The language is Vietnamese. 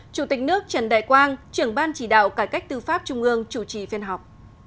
chủ tịch nước trần đại quang trưởng ban chỉ đạo cải cách tư pháp trung ương chủ trì phiên họp